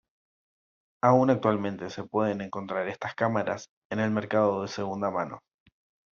Aún actualmente se pueden encontrar estas cámaras en el mercado de segunda mano.